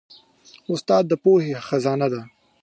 استاد د پوهې خزانه لري.